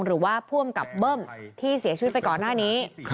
หรือว่าผู้อำกับเบิ้มที่เสียชีวิตไปก่อนหน้านี้